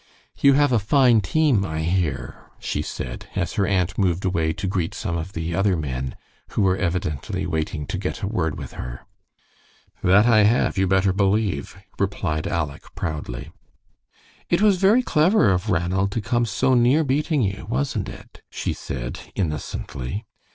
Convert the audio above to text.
"You have a fine team, I hear," she said, as her aunt moved away to greet some of the other men, who were evidently waiting to get a word with her. "That I have, you better believe," replied Aleck, proudly. "It was very clever of Ranald to come so near beating you, wasn't it?" she said, innocently.